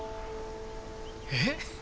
えっ？